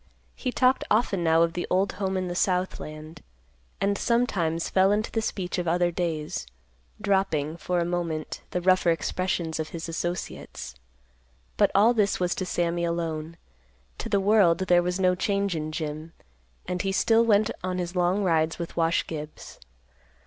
He talked often now of the old home in the south land, and sometimes fell into the speech of other days, dropping, for a moment, the rougher expressions of his associates. But all this was to Sammy alone. To the world, there was no change in Jim, and he still went on his long rides with Wash Gibbs.